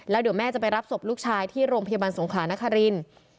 แล้วเดี๋ยวแม่จะไปรับศพลูกชายที่โรงพยาบาลสงขลานครินทร์